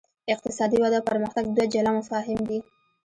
اقتصادي وده او پرمختګ دوه جلا مفاهیم دي.